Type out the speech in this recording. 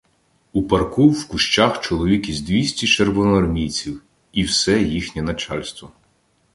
У парку в кущах чоловік із двісті червоноармійців і все їхнє начальство.